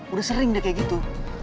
udah sering deh kayak gitu